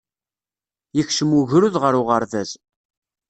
Yekcem wegrud ɣer uɣerbaz.